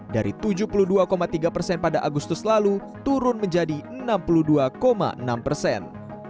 dari tujuh puluh dua tiga persen pada agustus lalu turun menjadi enam puluh dua enam persen